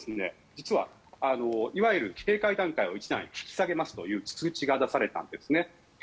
実は、いわゆる警戒段階を１段階引き下げますという通知が出されたんですね。